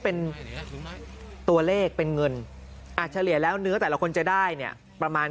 เป็นตัวเลขเป็นเงินเฉลี่ยแล้วเนื้อแต่ละคนจะได้เนี่ยประมาณ